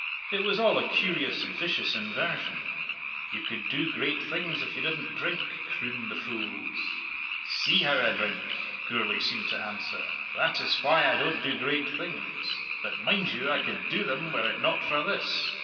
It was all a curious, vicious inversion. "You could do great things if you didn't drink," crooned the fools. "See how I drink," Gourlay seemed to answer; "that is why I don't do great things. But, mind you, I could do them were it not for this."